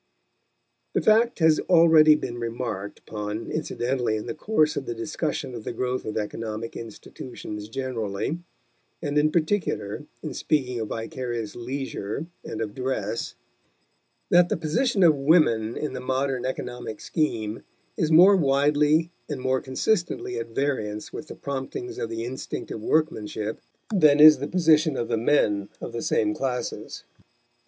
The fact has already been remarked upon incidentally in the course of the discussion of the growth of economic institutions generally, and in particular in speaking of vicarious leisure and of dress, that the position of women in the modern economic scheme is more widely and more consistently at variance with the promptings of the instinct of workmanship than is the position of the men of the same classes.